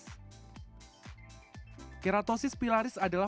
keratosis pilaris adalah penyakit kulit yang terkenal di kulit kita